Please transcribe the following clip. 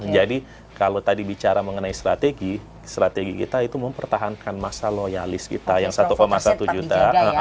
jadi kalau tadi bicara mengenai strategi strategi kita itu mempertahankan massa loyalis kita yang satu satu juta